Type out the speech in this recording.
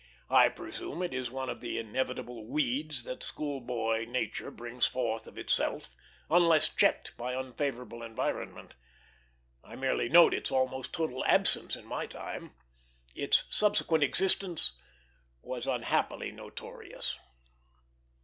I presume it is one of the inevitable weeds that school boy nature brings forth of itself, unless checked by unfavorable environment. I merely note its almost total absence in my time; its subsequent existence was unhappily notorious.